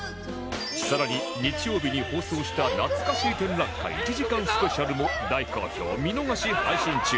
更に日曜日に放送したなつかしー展覧会１時間スペシャルも大好評見逃し配信中